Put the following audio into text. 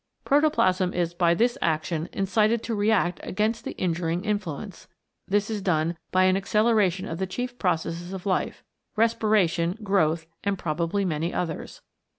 Protoplasm is by this action incited to react against the injuring influence. This is done by an acceleration of the chief processes of life respiration, growth, and probably many others.